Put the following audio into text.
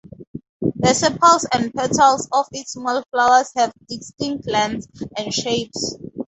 The sepals and petals of its small flowers have distinct lengths and shapes.